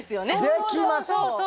できます！